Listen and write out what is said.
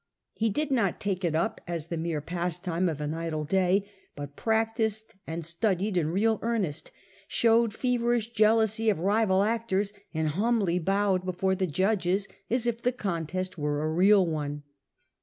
He did not take it up as the mere pastime of an idle day, but practised and studied in real earnest, showed feverish jealousy of rival actors, and humbly bowed before the judges, as if the contest were a real one.